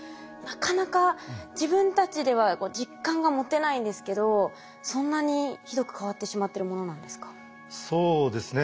なかなか自分たちでは実感が持てないんですけどそんなにひどく変わってしまってるものなんですか？